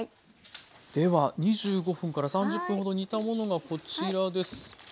では２５分から３０分ほど煮たものがこちらです。